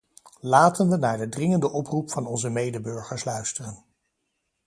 Laten we naar de dringende oproep van onze medeburgers luisteren.